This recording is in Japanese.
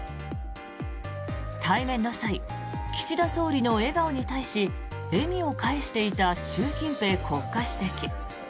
対面の際、岸田総理の笑顔に対し笑みを返していた習近平国家主席。